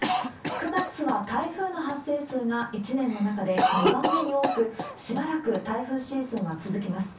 ９月は台風の発生数が一年の中で２番目に多く、しばらく台風シーズンは続きます。